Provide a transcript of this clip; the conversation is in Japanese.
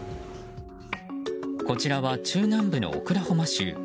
こちらは中南部のオクラホマ州。